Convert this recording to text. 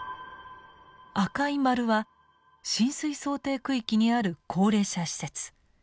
赤い丸は浸水想定区域にある高齢者施設。